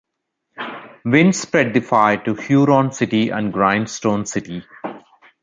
Winds spread the fire to Huron City and Grindstone City.